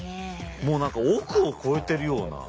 もう何か億を超えてるような。